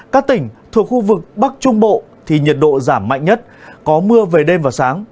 các tỉnh thuộc khu vực bắc trung bộ thì nhiệt độ giảm mạnh nhất có mưa về đêm và sáng